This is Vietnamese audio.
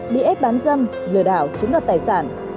bị ép bán dâm lừa đảo chiếm đoạt tài sản